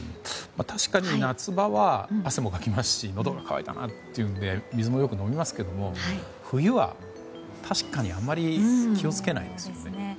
確かに夏場は汗もかきますしのどが渇いたなというので水もよく飲みますが冬は確かにあまり気を付けないですよね。